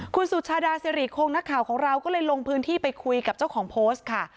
คุณสุชาดาสิริคงนักข่าวของเราก็เลยลงพื้นที่ไปคุยกับเจ้าของโพสต์ค่ะ